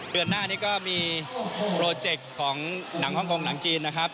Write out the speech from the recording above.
เดือนหน้านี้ก็มีโปรเจคของหนังฮ่องกงหนังจีนนะครับ